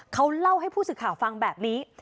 เขาเล่าให้ผู้สื่อข่าวฟังแบบนี้